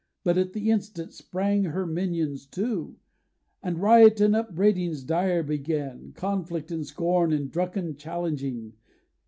But at the instant, sprang her minions too, And riot and upbraidings dire began, Conflict, and scorn, and drunken challenging.